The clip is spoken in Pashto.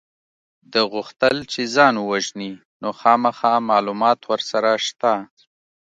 ده غوښتل چې ځان ووژني نو خامخا معلومات ورسره شته